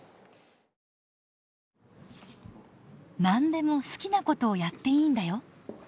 「何でも好きなことをやっていいんだよ」。